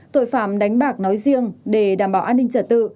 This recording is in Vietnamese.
tội phạm đánh bạc nói riêng để đảm bảo an ninh trật tự